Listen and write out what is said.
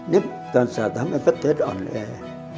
นี่การศึกษาทำให้ประเทศอ่อนแรง